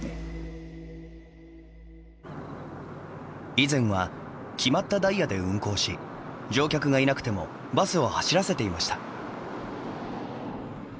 以前は決まったダイヤで運行し乗客がいなくてもバスを走らせていました。